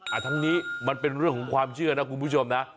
ทั้งนี้มันเป็นเรื่องของความเชื่อนะคุณผู้ชมนะ